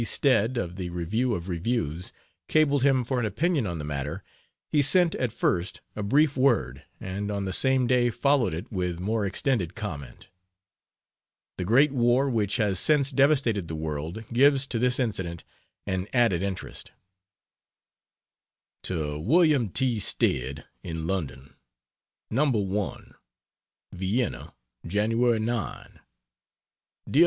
Stead, of the Review of Reviews, cabled him for an opinion on the matter, he sent at first a brief word and on the same day followed it with more extended comment. The great war which has since devastated the world gives to this incident an added interest. To Wm. T. Stead, in London: No. 1. VIENNA, Jan. 9. DEAR MR.